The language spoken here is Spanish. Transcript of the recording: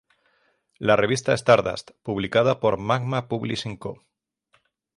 La revista Stardust, publicada por Magna Publishing Co.